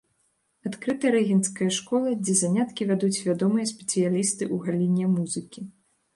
Адкрыта рэгенцкая школа, дзе заняткі вядуць вядомыя спецыялісты ў галіне музыкі.